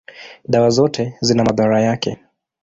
dawa zote zina madhara yake.